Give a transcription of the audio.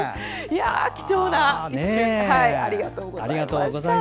貴重な一瞬をありがとうございました。